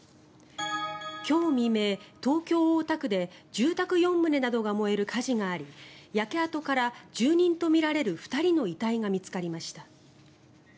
今日未明、東京・大田区で住宅４棟などが焼ける火事があり焼け跡から住人とみられる２人の遺体が見つかりました。